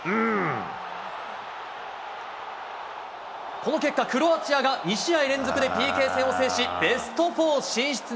この結果、クロアチアが２試合連続でＰＫ戦を制し、ベスト４進出。